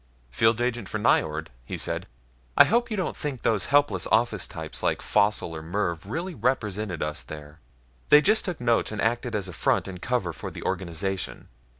"Field agent for Nyjord," he said. "I hope you don't think those helpless office types like Faussel or Mervv really represented us there? They just took notes and acted as a front and cover for the organization.